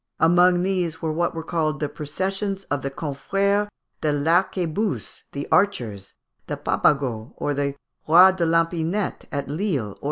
Amongst these were what were called the processions of the Confrères de l'Arquebuse, the Archers, the Papegaut, the roi de l'Epinette, at Lille (Fig.